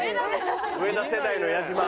植田世代の矢島。